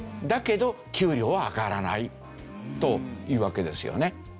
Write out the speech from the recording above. だけど給料は上がらないというわけですよね。